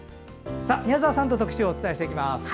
宮澤さんと特集をお伝えしていきます。